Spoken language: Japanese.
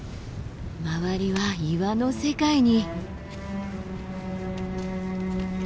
周りは岩の世界に。